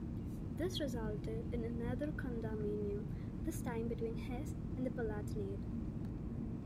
This resulted in another condominium, this time between Hesse and the Palatinate.